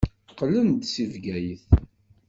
Qqlen-d seg Bgayet.